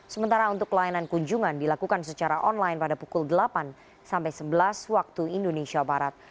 sementara untuk pelayanan kunjungan dilakukan secara online pada pukul delapan sampai sebelas waktu indonesia barat